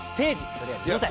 とりあえず舞台。